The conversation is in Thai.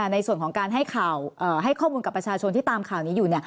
ในส่วนของการให้ข้อมูลกับประชาชนที่ตามข่าวนี้อยู่